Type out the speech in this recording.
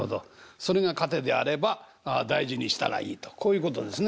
それが糧であれば大事にしたらいいとこういうことですね。